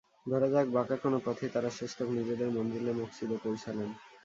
ধরা যাক, বাঁকা কোনো পথে তাঁরা শেষতক নিজেদের মঞ্জিলে মকসুদে পৌঁছালেন।